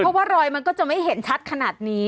เพราะว่ารอยมันก็จะไม่เห็นชัดขนาดนี้